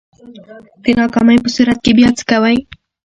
د ناکامۍ په صورت کی بیا څه کوئ؟